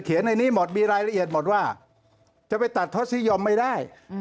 ในนี้หมดมีรายละเอียดหมดว่าจะไปตัดทศนิยมไม่ได้